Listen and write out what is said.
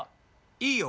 いいよ。